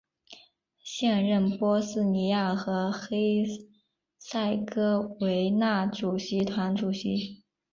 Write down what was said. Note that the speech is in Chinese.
现任波斯尼亚和黑塞哥维那主席团主席。